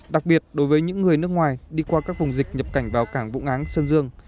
đặc biệt đối với những người nước ngoài đi qua các vùng dịch nhập cảnh vào cảng vũng áng sơn dương